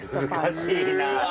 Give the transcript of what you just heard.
難しいな。